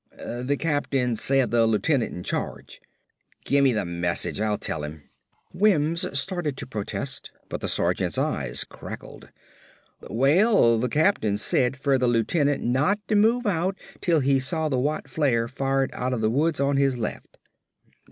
"The captain said the lieutenant in charge." "Gimmee the message. I'll tell 'im." Wims started to protest but the sergeant's eyes crackled. "Well, the captain said fer the lieutenant not to move out 'til he saw the white flare fired outta the woods on his left."